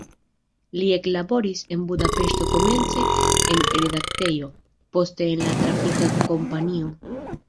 Li eklaboris en Budapeŝto komence en redaktejo, poste en la trafika kompanio.